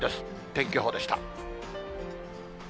天気予報でした。